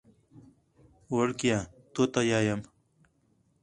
وړکیه! توته یایم.